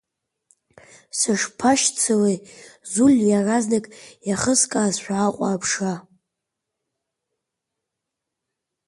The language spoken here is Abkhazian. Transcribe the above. Сышԥашьцылеи Зуль иаразнак, иахыскаазшәа Аҟәа аԥшра.